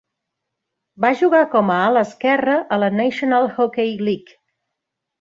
Va jugar com a ala esquerre a la National Hockey League.